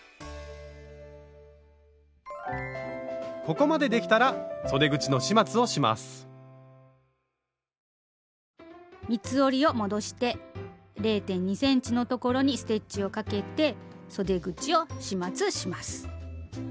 ここまでできたら三つ折りを戻して０．２ｃｍのところにステッチをかけてそで口を始末します。